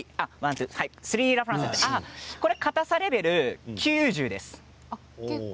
これはかたさレベルが９０です。